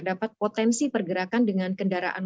adapun hal krusial dalam pengaturan mobilitas masyarakat ini